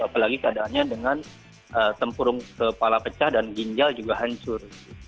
apalagi keadaannya dengan tempurung kepala pecah dan ginjal juga hancur